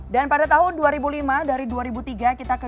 dan pada tahun dua ribu lima dari dua ribu tiga kita ke dua ribu lima